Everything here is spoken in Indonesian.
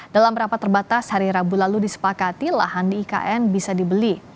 dalam rapat terbatas hari rabu lalu disepakati lahan di ikn bisa dibeli